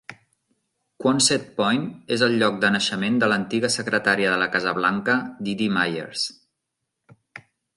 Quonset Point és el lloc de naixement de l'antiga secretària de la Casa Blanca Dee Dee Myers.